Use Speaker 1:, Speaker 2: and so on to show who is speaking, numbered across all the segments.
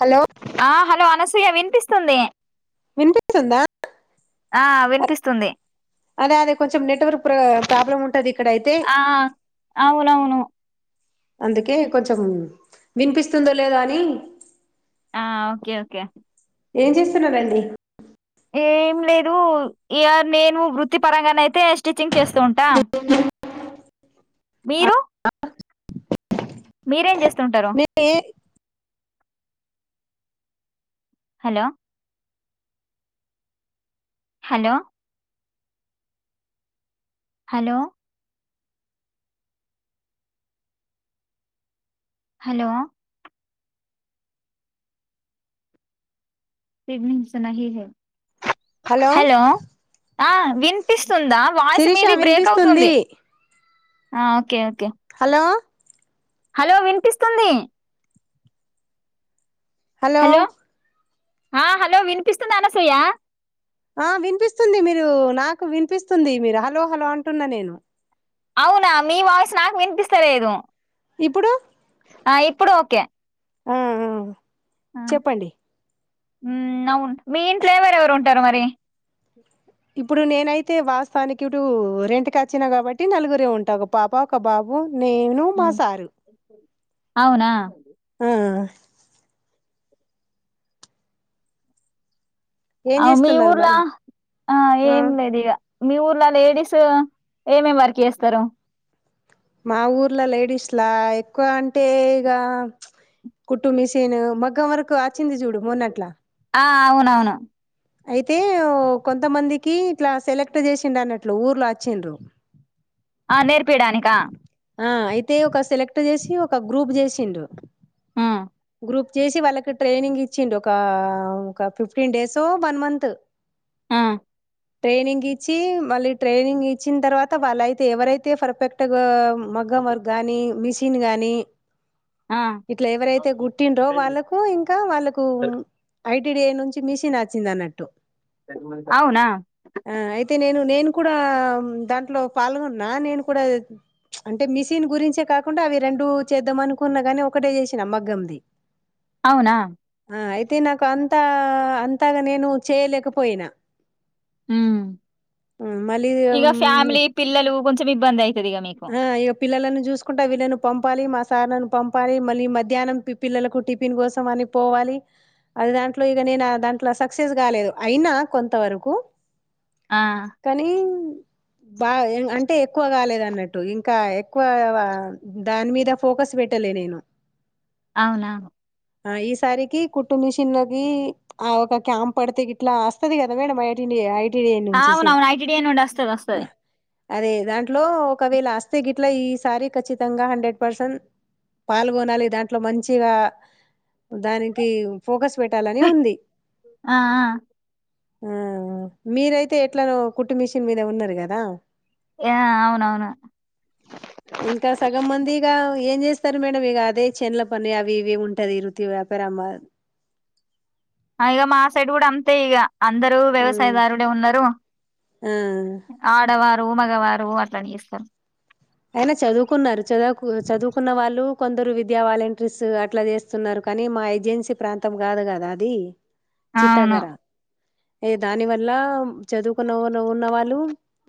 Speaker 1: Hello
Speaker 2: ఆ hello Anasuya వినిపిస్తుంది
Speaker 1: వినిపిత్తుందా
Speaker 2: ఆ వినిపిస్తుంది
Speaker 1: అదే అదే కొంచెం నెట్వర్క్ ప్ర ప్రాబ్లం ఉంటది ఇక్కడ అయితే
Speaker 2: ఆ అవునవును
Speaker 1: అందుకే కొంచెం వినిపిస్తుందో లేదా అని
Speaker 2: ఆ ఓకే ఓకే
Speaker 1: ఏం చేస్తున్నారండి
Speaker 2: ఏం లేదు ఇయ నేను వృత్తి పరంగానయితే స్టిచ్చింగ్ చేస్ తుంటా మీరు మీరేం చేస్
Speaker 1: మీ పే
Speaker 2: హలో హలో హలో హలో తినింగ్స్ నహీ హే
Speaker 1: హలో
Speaker 2: ఆ వినిపిస్తుందా వాయిస్
Speaker 1: శిరీష
Speaker 2: మీది బ్రేక్
Speaker 1: వినిపిస్తుంది
Speaker 2: అవుతుంది ఆ ఓకే ఓకే
Speaker 1: హలో
Speaker 2: హలో వినిపిస్తుంది
Speaker 1: హలో
Speaker 2: ఆ హలో వినిపిస్తుంది అనసూయ
Speaker 1: ఆ వినిపిస్తుంది మీరు నాకు వినిపిస్తుంది మీరు హలో హలో అంటున్న నేను
Speaker 2: అవునా మీ వాయిస్ నాకు వినిపిస్తలేదు
Speaker 1: ఇప్పుడు
Speaker 2: ఆ ఇప్పుడు ఓకే
Speaker 1: ఆ ఆ చెప్పండి
Speaker 2: ఉ అవును మీ ఇంట్లో ఎవరెవరు ఉంటారు మరి
Speaker 1: ఇప్పుడు నేనైతే వాస్తవానికి ఇడు రెంట్కి వచ్చినా కాబట్టి నలుగురే ఉంటావు ఒక పాప ఒక బాబు నేను మా
Speaker 2: ఉమ్
Speaker 1: సారు
Speaker 2: అవునా
Speaker 1: ఆ ఏం
Speaker 2: అ మీ
Speaker 1: చేస్తున్నారు
Speaker 2: ఊర్లా
Speaker 1: మరి
Speaker 2: ఆ ఏం లేదు ఇగ మీ ఊర్ల లేడీస్ ఏమేమి వర్క్ చేస్తారు
Speaker 1: మా ఊర్లా లేడీస్లా ఎక్కువ అంటే ఇగ కుట్టు మీసేను మగ్గం వరకు ఆచ్చింది చూడు మొన్నట్లా
Speaker 2: ఆ అవునవును
Speaker 1: అయితే ఓ కొంతమందికి ఇట్ల సెలెక్ట్ చేసిండు అన్నట్లు ఊర్లా వచ్చిండ్రు
Speaker 2: ఆ నేర్పిడానిక
Speaker 1: ఆ అయితే ఒక సెలెక్ట్ చేసి ఒక గ్రూప్ చేసిండు
Speaker 2: ఆ
Speaker 1: గ్రూప్ చేసి వాళ్ళకి ట్రైనింగ్ ఇచ్చిండు ఒక ఒక ఫిఫ్టీన్ డేసో వన్ మంత్
Speaker 2: ఆ
Speaker 1: ట్రైనింగ్ ఇచ్చి మళ్ళీ ట్రైనింగ్ ఇచ్చిన తర్వాత వాళ్ళయితే ఎవరైతే పర్ఫెక్ ట్ మగ్గం వర్క్ గానీ మిషిన్ గానీ
Speaker 2: ఆ
Speaker 1: ఇట్లా ఎవరైతే గుట్టిండ్రో వాళ్ళకు ఇంకా వాళ్ళకు ఐటీడిఐ నుంచి మిషిన్ వచింది అన్నట్టు
Speaker 2: అవునా
Speaker 1: ఆ అయితే నేను నేను కూడా దాంట్లో పాలుగొన్నా నేను కూడా ప్ల్చ్ అంటే మిషన్ గురించే కాకుండా అవి రెండు చేద్దాం అనుకున్నా గాని ఒకటే చేసా మగ్గంది
Speaker 2: అవునా
Speaker 1: ఆ అయితే నాకు అంతా అంతగ నేను చేయలేకపోయినా
Speaker 2: హ్మ్
Speaker 1: మళ్ళీ
Speaker 2: ఇగ ఫ్యామిలీ పిల్లలు చ్ ఇబ్బంది అయితది ఇగ మీకు
Speaker 1: ఆ ఇక పిల్లలను చూసుకుంటే వీళ్ళని పంపాలి మా సార్ నన్ను పంపాలి మళ్ళీ మధ్యహ్నం పి పిల్లలకు టిఫిన్ కోసం అని ఏ పోవాలి అది దాంట్లో ఇగ నేను దాంట్లో సక్సెస్ కాలేదు అయినా కొంత వరకు
Speaker 2: ఆ
Speaker 1: కనీమ్ బాగా అంటే ఎక్కువ కాలేదు అన్నట్టు ట్టు ఇంకా ఎక్కువ దాని మీద ఫోకస్ పెట్టలే నేను
Speaker 2: అవునా
Speaker 1: ఆ ఈసారికి కుట్టు మిషినుది ఆ ఒక క్యాంప్ పడితే గిట్లా అస్తది గదా మేడం ఐటి ఇండియా ఇది
Speaker 2: ఆ,
Speaker 1: నుంచిసియ్
Speaker 2: అవునవును ఐటిడిఐ నుండి వస్తది వస్తది
Speaker 1: అదే దాంట్లో ఒకవేళ అస్తే గిట్లా ఈ సారి ఖచ్చితంగా హండ్రెడ్ పర్సెంట్ పాల్గొనాలి దాంట్లో మంచిగా దానికి ఫోకస్ పెటాలని ఉంది
Speaker 2: ఆ ఆ
Speaker 1: ఆ మీరైతే ఎట్లనో కుట్టు మెషిన్ మీద ఉన్నది గదా
Speaker 2: యా అవున్
Speaker 1: ఇంకా సగం మందిగా ఏం చేస్తారు మేడం ఇక అదే చేన్ల పని అవి ఇవి ఉంటది వృత్తి వ్యాపారం అ
Speaker 2: అ ఇగ మా సైడ్ గూడా అంతే ఇగ అందరూ
Speaker 1: ఉమ్
Speaker 2: వ్యవసాయదారుడే ఉన్నారు
Speaker 1: ఆ
Speaker 2: ఆడవార్ రూ మగవారు అట్ల చేస్తరు
Speaker 1: అయినా చదువుకున్నరు చదువుకు చదువుకున్న వాళ్ళు కొందరు విద్యా వాలంటరీస్ అట్ల చేస్తున్నరు కనీ మా ఏజెన్సీ ప్రాంతం గాదు గదా అది
Speaker 2: అవును
Speaker 1: చితాగర ఏ దాని వల్లా చదువుకున్న ఉన్నవాళ్ళు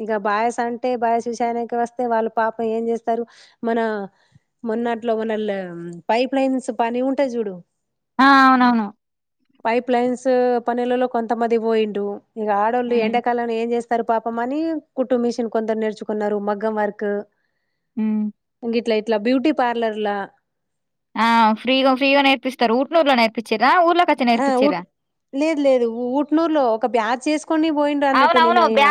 Speaker 1: ఇక బాయ్స్ అంటే బాయ్స్ విషయానికి వస్తే వాళ్ళు పాపం ఏం చేస్తరు మనా మొన్నట్లో మోనల్ పైప్ లైన్స్ పని ఉంటయ్ జూడు
Speaker 2: ఆ అవునవును
Speaker 1: పైప్ లైన్సు పనులలో కొంతమంది పోయిండ్రు ఇక ఆడోళ్ళు
Speaker 2: ఉమ్
Speaker 1: ఎండాకాలంలో ఏం జెస్ సారు పాపమని కుట్టు మిషన్ కొందరు నేర్చుకున్నరు మగ్గం వర్కు
Speaker 2: హ్మ్మ్
Speaker 1: ఇట్ల ఇట్ల బ్యూటీ పార్లర్లా
Speaker 2: ఆ ఫ్రీగ ఫ్రీగ నేర్పిస్తరు ఊట్నూరులో నేర్పిచ్చిరా ఊర్లోకచ్చి
Speaker 1: ఆ ఉట్
Speaker 2: నేర్పిచ్చిరా
Speaker 1: లేదు లేదు ఊట్నూరులో ఒక బ్యాచ్ చేసుకొని పోయిండ్రు అన్నట్టు నేను అయ్యా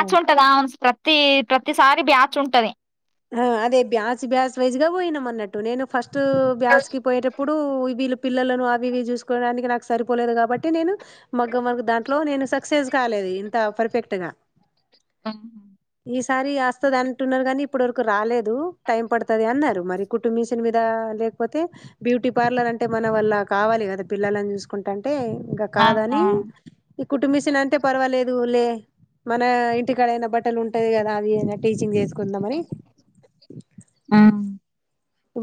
Speaker 2: తీ ప్రతిసారి బ్యాచ్ ఉంటది
Speaker 1: హ్ అదే బ్యాచ్ బ్యాచ్ వయసుగా పోయినము అన్నట్టు నేను ఫస్ట్ బ్యాచ్ కి పోయేటప్పుడు ప్పుడు వీళ్ళు పిల్లలను అవి ఇవి చూసుకోవడానికి నాకు సరిపోలేదు కాబట్టి నేను మగ్గం వర్క్ దాంట్లో నేను సక్సెస్ కాలేదు ఇంత పర్ఫెక్ట్ గా
Speaker 2: హమ్
Speaker 1: సారి ఆస్తది అంటున్నరు గనీ ఇప్పుటి వరకు రాలేదు టైం పడుతది అన్నరు మరి కుట్టుమిషిన్ మీదా లేకపోతే బ్యూటీ పార్లర్ అ అంటే మన వల్ల కావాలి గదా పిల్లలని చూసుకుంటాంటే ఇంక కాదని
Speaker 2: అవునవును
Speaker 1: ఈ కుట్టు మిషిన్ అంటే పర్వాలేదు లే మన ఇంటికాడయినా బట్టలు ఉంటయి గదా అవి టీచింగ్ చేసుకుందామని
Speaker 2: హ్మ్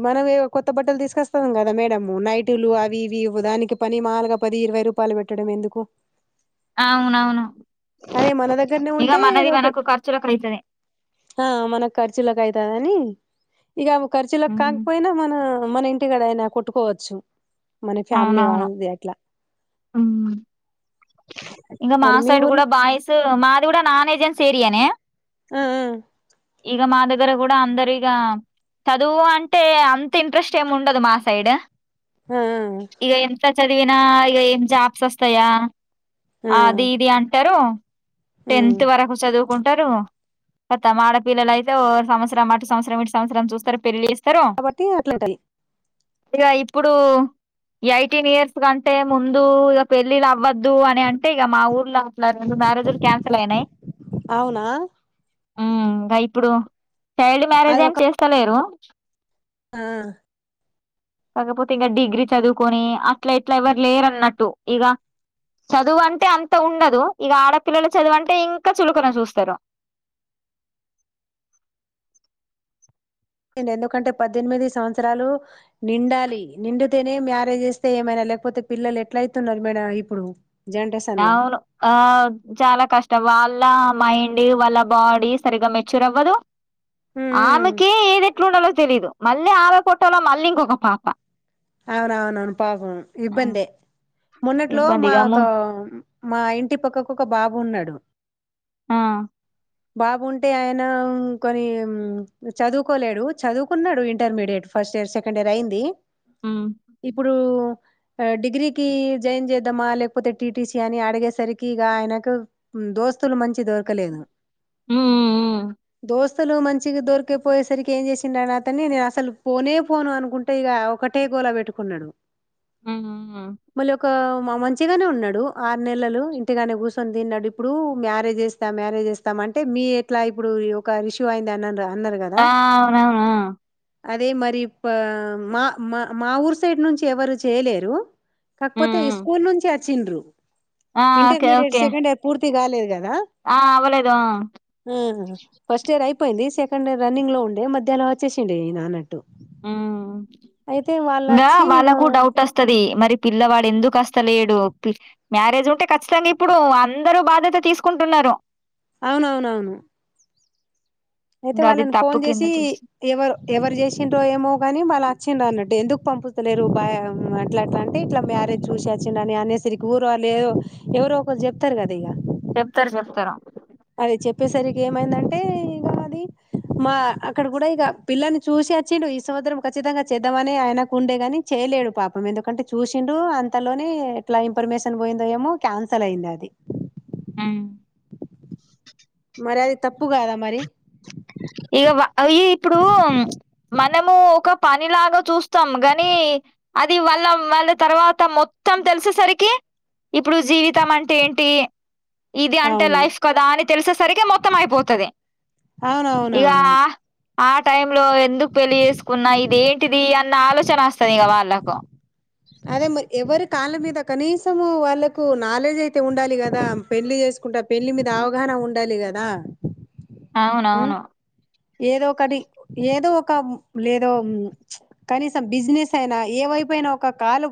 Speaker 1: మనవేవో కొత్త బట్టలు తీసుకొస్తాం గదా మేడము నైటులు అవి ఇవివు దానికి పని మాలగ పది ఇరవై రూపాలు పెట్టడం ఎందుకు
Speaker 2: అవునవును
Speaker 1: అదే మన దగ్గరనే
Speaker 2: ఇగ
Speaker 1: ఉంటే
Speaker 2: మనది
Speaker 1: ఏదో ఒక
Speaker 2: మనకు ఖర్చులో కైతద
Speaker 1: ఆ మన ఖర్చులకు అయితదని ఇక ఖర్చులకు
Speaker 2: ఉమ్
Speaker 1: కాకపోయినా మన మన ఇంటికాడ అయినా కొట్టుకోవచ్చు మన ఫ్యామలీ
Speaker 2: అవునవును
Speaker 1: వల్దీ అట్లా
Speaker 2: ఇంకా మా
Speaker 1: మరి మీ
Speaker 2: సైడ్
Speaker 1: ఊర్లో
Speaker 2: కూడా బాయ్స్ మాది కూడా నాన్ ఏజ్సి సేరియనే
Speaker 1: ఆ ఆ
Speaker 2: ఈగ మా దగ్గర కూడా అందరిగ చదువు అంటే అంత ఇంట్రెస్ట్ ఏమి ఉండదు మా సైడ్
Speaker 1: ఆ ఆ
Speaker 2: ఇక ఎంత చదివినా ఇక ఏం జాబ్స్ వస్తాయా
Speaker 1: ఆ
Speaker 2: అది ఇది అంటారు
Speaker 1: హ్మ్
Speaker 2: టెన్త్ వరకు చదువు కుంటారు కతం ఆడపిల్ల అయితే సంవత్సరం అటు సంవసరం ఇ సంవత్సరం చూస్తారు పెళ్లిస్తరూ
Speaker 1: కాబట్టి అట్లాటలి
Speaker 2: ఇక ఇప్పుడు ఎయిటీన్ ఇయర్స్ కంటే ముందు ఇక పెళ్ళిది అవ్వదు వద్దు అని అంటే ఇక మా ఊర్లో అట్లా రెండు మ్యారేజులు క్యాన్సిల్ అయినాయి
Speaker 1: అవునా
Speaker 2: ఇంకా ఇప్పుడు చైల్డ్ మ్యారేజ్
Speaker 1: అది ఒక
Speaker 2: ఏమి చేస్తలేరు
Speaker 1: ఆ
Speaker 2: కాకపోతే ఇంకా డిగ్రీ చదువుకొని అట్లా ఇట్లా ఎవరు లేరున్నట్టు ఇక చదువు అంటే అంత ఉండదు ఇక ఆడపిల్లలు చదువు అంటే ఇంకా చులుకన చూస్తారు
Speaker 1: అ ఎందుకంటే పద్దెనిమిది సంవత్సరాలు నిండాలి నిండితేనే మ్యారేజ్ ఇస్తే ఏమైనా లేకపోతే పిల్లలు ఎట్ల అయితున్నారు మేడమ్ ఇప్పుడు జనరేషన్ లా
Speaker 2: అవును ఆ చాలా కష్టం వాళ్లు వాళ్ళ మైండ్ వాళ్ళ బాడీ సరిగ్గా మెచ్యూర్ అవ్వదు ఆమెకే ఏది ఎట్లుండాలో తెలీదు మళ్ళీ ఆమె పోట్టాలో మళ్ళీ ఇంకొక పాప
Speaker 1: అవునా అవునవును పాప
Speaker 2: ఆ!
Speaker 1: ఇబ్బందే మన్నట్లో మా
Speaker 2: ఇబ్బందిగా
Speaker 1: ఒక
Speaker 2: ము
Speaker 1: మా ఇంటి పక్కకు ఒక బాబు ఉన్నాడు
Speaker 2: ఆ
Speaker 1: బాబుంటే ఆయన కొని చదువుకోలేడు చదువుకున్నాడు intermediate first year second year అయింది
Speaker 2: హ్మ్
Speaker 1: ఇప్పుడు ఆ డిగ్రీకి జాయిన్ చేద్దామా లేకపోతే టీటీసీ అని అడిగేసరికి ఇక ఆయనకు దోస్తులు మంచి దొరకలేదు
Speaker 2: హ్మ్ హ్మ్
Speaker 1: దోస్త్ అసలు మంచిగా దొరికే పోయేసరికి ఏం చేసిండని అతన్ని నేను అసలు పోనే పోను అనుకుంటే ఇక ఒకటి ఒకటే గోలా పెట్టుకున్నాడు
Speaker 2: హ్మ్ హ్మ్. హ్మ్.
Speaker 1: మళ్ళ ఒక మా మంచిగానే ఉన్నాడు ఆరు నెలలు ఇంటిగానే కూర్చొని తిన్నాడు ఇప్పుడు మ్యారేజ్ చేస్తా మ్యారేజ్ేస్తా అంటే మీ ఎట్లా ఇప్పుడు ఒక ఇష్యూ అయింది అని రాలే
Speaker 2: ఆ అవునావు
Speaker 1: అదే మరి ప మా మా మా ఊరు సైడ్ నుంచి ఎవరు చేయలేరు
Speaker 2: హ్మ్
Speaker 1: కాకపోతే ఈ
Speaker 2: హ్మ్.
Speaker 1: స్కూల్ నుంచి ఆచ్చిండ్రు
Speaker 2: ఆ okay
Speaker 1: intermediate
Speaker 2: okay
Speaker 1: second year పూర్తి కాలేదు కదా
Speaker 2: ఆ అవ్వలేదు ఆ
Speaker 1: ఆ హా ఫస్ట్ ఇయర్ అయ్యి పోయింది సెకండ్ రన్నింగ్ లో ఉండే మధ్యలా వేసిండే నా అన్నట్టు అయితే వాళ్ళు
Speaker 2: ఇంకా
Speaker 1: వచ్చి ఇక
Speaker 2: వాళ్ళకు డౌట్ వస్తుది మరి పిల్లవాడు ఎందుకుస్తలేడు మ్యారేజ్ ఉంటే ఖచ్చితంగా ఇప్పుడు అందరుూ బాధ్యత తీసుకుంటున్నారు రో
Speaker 1: అవునవునవును అయితే
Speaker 2: ఇంగ అది
Speaker 1: వాళ్ళని ఫోన్
Speaker 2: తప్పు కింద
Speaker 1: చేసి
Speaker 2: చూస్
Speaker 1: ఎవరు ఎవరు చేసిండ్రో ఏమో కాగాని వాళ్ళు వచ్చి అన్నట్టు ఎందుకు పంపుతలేరు బ అట్లా అట్లా అంటే ఇట్లా మ్యారేజ్ చూసి వచ్చి అని అనేసరికి ఊరు లేదు ఎవరు ఒకరు చెప్తారు కదా ఇక
Speaker 2: చెప్తారు చెప్తారూ
Speaker 1: అదే చెప్పేసరికి ఏమైందంటే ఇ అది మా అక్కడ కూడా ఇక పిల్లనీ చూసి వచ్చిండు ఈ సంవత్సరం ఖచ్చితంగా చేద్దామని ఆయనకు ఉండే గాని ఏ లేడు పాపం ఎందుకంటే చూసిండు అంతలోనే ఎట్ల ఇన్ఫర్మేషన్ పోయిందో ఏమో క్యాన్సల్ అయింది అది
Speaker 2: అ
Speaker 1: మరి అది తప్పు కాద మరి
Speaker 2: ఇక వ అవి ఇప్పుడూ మనము ఒక పనిలాగ చూస్తాము గని అది వాళ్ళ వాళ్ళ తర్వాత మొత్తం తెలిసేసరికి ఇప్పుడు జీవితం అంటే ఏంటి ఇది అంటే
Speaker 1: అవును
Speaker 2: లైఫ్ కదా అని తెలిసేసరికి మొత్తం అయిపోతది ఇక
Speaker 1: అవునవునవును
Speaker 2: ఆ టైమ్ లో ఎందుకు పెళ్లి చేసుకున్నా ఇది ఏంటిది అన్న ఆలోచన వస్తుంది ఇక వాళ్ళకు
Speaker 1: అదే మరి ఎవరి కాళ్ళ మీద కనీసము వాళ్ళలకు నాలెడ్జ్ అయితే ఉండాలి కదా పెళ్లి చేసుకుంట పెళ్లి మీద అవగాహన ఉండ్ ఉండాలి కదా ఉమ్
Speaker 2: అవునవును
Speaker 1: ఏదో ఒకటి ఏదో ఒక లేదో కనీసం బిజినెస్ అయినా ఏవై అయిపోయిన ఒక కాలు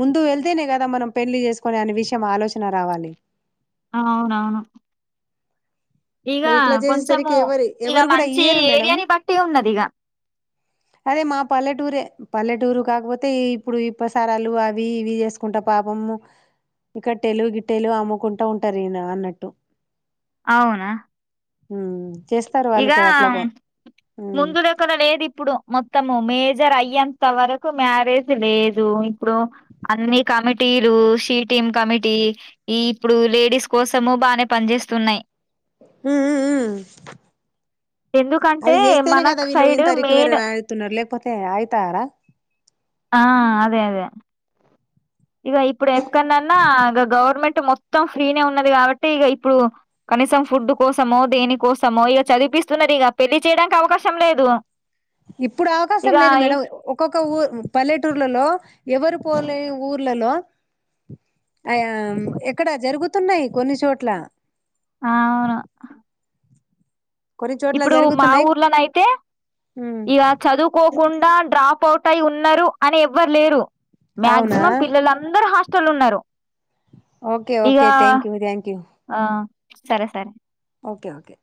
Speaker 1: ముందు వెళ్తేనే కదా మనం పెళ్లి చేసుకోవలె అనే విషయం ఆలోచన రావాలి
Speaker 2: ఆ అవునవును ఇగ
Speaker 1: మరి ఇట్లా చేసేసరికి
Speaker 2: కొంచము
Speaker 1: ఎవరు
Speaker 2: ఇక
Speaker 1: ఎవరు కూడా
Speaker 2: మంచి
Speaker 1: ఇయ్యరు మేడం
Speaker 2: ఏరియాని బట్టి ఉన్నది ఇగ
Speaker 1: అదే మా పల్లెటూరే పల్లెటూరు కాకపోతే ఇప్పుడు ఈ ప్రసారాలు అవి ఇవి చేసుకుంటా ప పాపము ఇక టెలుగు గిట్టెలు అమ్ముకుంటా ఉంటారు ఈన అన్నట్టు
Speaker 2: అవున
Speaker 1: చేస్తారు వాళ్ళు కూడ ఎట్లాగొ
Speaker 2: ముందులెక్కన లేద్ ఇప్పుడు మొత్తము మేజర్ అయ్యేంత వరకు మ్యారేజ్ లేదు ఇప్పుడు అన్ని కమి టీలు షీటిమ్ కమిటీ ఈ ఇప్పుడు లేడీస్ కోసము బానే పనిచేస్తున్నాయి
Speaker 1: హు హు
Speaker 2: ఎందుకంటే
Speaker 1: అవి చేస్తేనే
Speaker 2: మన
Speaker 1: కదా వీళ్ళు
Speaker 2: సైడ్
Speaker 1: ఇన్త
Speaker 2: మెయిన్
Speaker 1: రిక్వైర్ఆయితున్నారు లేకపోతే ఆయిత అార
Speaker 2: ఆ అదె అదె ఇక ఇప్పుడు ఎప్పుకనన్నా ఇ గవర్నమెంట్ టు మొత్తం ఫ్రీనే ఉన్నది కాబట్టి ఇక ఇప్పుడు కనీసం ఫుడ్ కోసమో దేని కోసమో ఇక చదివి పిస్తున్నదిక పెళ్లి చేయడానికి అవకాశం లేదు
Speaker 1: ఇప్పుడు అవకాశం
Speaker 2: ఇక
Speaker 1: లేదు మేడం ఒక్కొ ఒక ఊర్ పల్లెటూర్లలో ఎవరు పోలే ఊర్లలో అయా ఇక్కడ జరుగుతున్నాయి కొన్ని చోట్ల
Speaker 2: ఆవును
Speaker 1: కొన్ని చోట్ల
Speaker 2: ఇప్పుడు మా
Speaker 1: జరుగుతున్నాయి
Speaker 2: ఊర్లనయితే ఇక చదువుకోకుండా డ్రాప్ అవుట్ అయి ఉన్నారు అని ఎవ్వర్ లేరు
Speaker 1: అవునా
Speaker 2: మాక్సిమం పిల్లలందరూ హాస్టల్ ఉన్నారు
Speaker 1: ఓకే ఓకే
Speaker 2: ఇగా
Speaker 1: థ్యాంక్ యూ థ్యాంక్ యూ
Speaker 2: ఆ సరె సరే
Speaker 1: ఓకె ఓకె